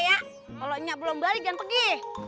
hai hehehe hehehe dek om beli tahunnya lima